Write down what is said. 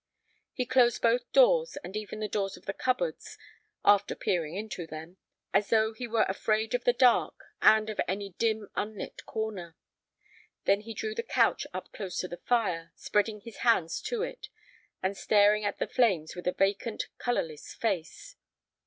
He closed both doors, and even the doors of the cupboards, after peering into them, as though he were afraid of the dark and of any dim, unlit corner. Then he drew the couch up close to the fire, spreading his hands to it, and staring at the flames with a vacant, colorless face.